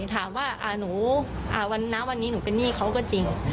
ถามว่าทัวร์วันหนาวันนี้หนูคนหนี้เขาก็จริง